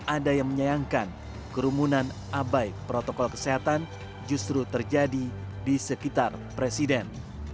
ada yang menyayangkan kerumunan abai protokol kesehatan justru terjadi di sekitar presiden